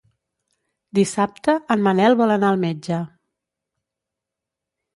Dissabte en Manel vol anar al metge.